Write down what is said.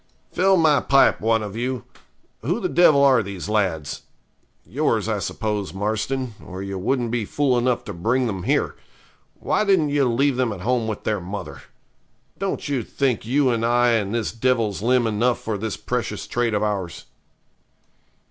'Fill my pipe, one of you. Who the devil are these lads? Yours, I suppose, Marston, or you wouldn't be fool enough to bring them here. Why didn't you leave them at home with their mother? Don't you think you and I and this devil's limb enough for this precious trade of ours?'